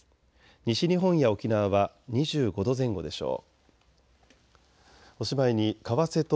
西日本や沖縄は２５度前後でしょう。